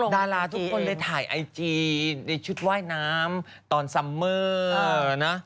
ดาราทุกคนเลยถ่ายไอจีในชุดว่ายน้ำตอนซัมเมอร์นะ